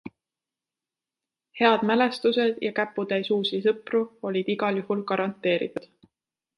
Head mälestused ja käputäis uusi sõpru olid igal juhul garanteeritud.